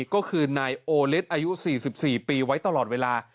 ก็คือนายโอเลสอายุ๔๔ปีไว้ตลอดเวลา